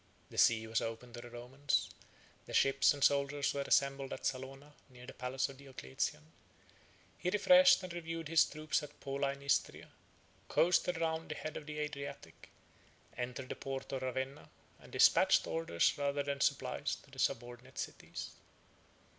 The sea was open to the Romans: the ships and soldiers were assembled at Salona, near the palace of Diocletian: he refreshed and reviewed his troops at Pola in Istria, coasted round the head of the Adriatic, entered the port of Ravenna, and despatched orders rather than supplies to the subordinate cities.